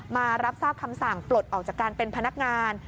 มารับทราบคำสั่งปลดออกจากการเป็นพนักงาน